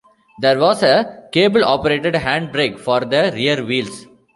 There was a cable-operated hand brake for the rear wheels.